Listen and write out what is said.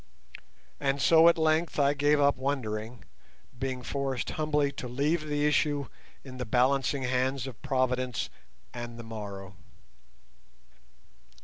And so at length I gave up wondering, being forced humbly to leave the issue in the balancing hands of Providence and the morrow.